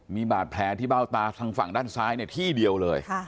มีบาดแผลที่เบ้าตาทางฝั่งด้านซ้ายที่เดียวเลย